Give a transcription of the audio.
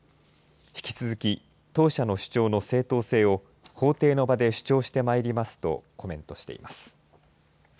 引き続き当社の主張の正当性を法廷の場で主張してまいりますとコメントしています。